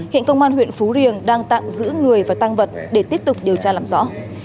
hiện công an huyện phú riềng đang tạm giữ người và tăng vật để tiếp tục điều tra làm rõ